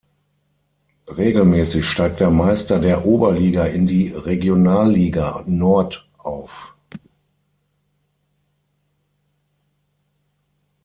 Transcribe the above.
Regelmäßig steigt der Meister der Oberliga in die Regionalliga Nord auf.